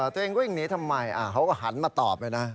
เธอเองก็ยิงหนีทำไมเขาก็หันมาตอบไปนะ